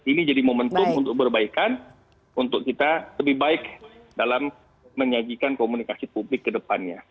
ini jadi momentum untuk perbaikan untuk kita lebih baik dalam menyajikan komunikasi publik ke depannya